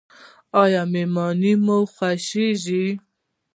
ایا میلمانه مو خوښیږي؟